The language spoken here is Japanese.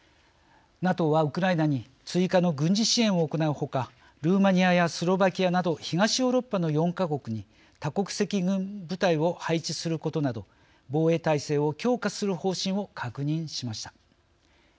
ＮＡＴＯはウクライナに追加の軍事支援を行うほかルーマニアやスロバキアなど東ヨーロッパの４か国に多国籍軍部隊を配置することなど防衛体制を強化する方針を確認しました。